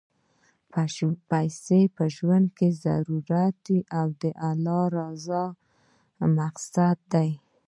پیسی په ژوند کی ضرورت دی، او د اللهﷻ رضا مقصد دی.